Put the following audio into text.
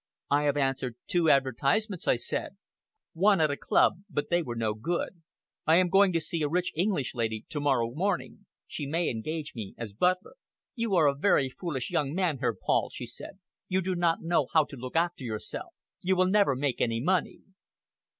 "I have answered two advertisements," I said; "one at a club, but they were no good. I am going to see a rich English lady to morrow morning. She may engage me as butler." "You are a very foolish young man, Herr Paul," she said. "You do not know how to look after yourself. You will never make any money!"